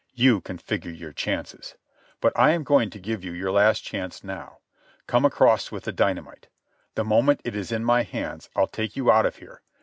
You can figure your chances. But I am going to give you your last chance now. Come across with the dynamite. The moment it is in my hands I'll take you out of here.